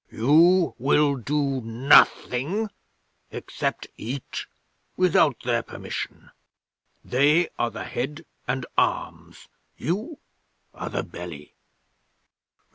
You will do nothing, except eat, without their permission. They are the head and arms. You are the belly!"